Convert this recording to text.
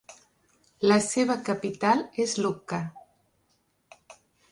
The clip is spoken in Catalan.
La seva capital és Lucca.